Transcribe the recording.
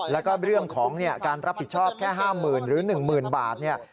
แล้วก็เรื่องของการรับผิดชอบแค่ห้ามหมื่นหรือหนึ่งหมื่นบาท